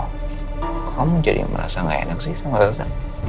kok kamu jadi merasa gak enak sih sama elsa